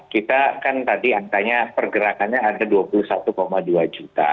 kita kan tadi angkanya pergerakannya ada dua puluh satu dua juta